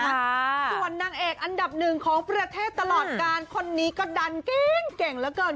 ส่วนนางเอกอันดับหนึ่งของประเทศตลอดการคนนี้ก็ดันเก่งเก่งเหลือเกิน